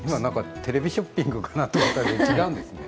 テレビショッピングかなと思ったんですが違うんですね。